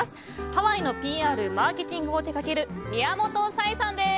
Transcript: ハワイのＰＲやマーケティングを手掛ける宮本紗絵さんです。